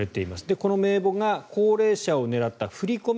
この名簿が高齢者を狙った振り込め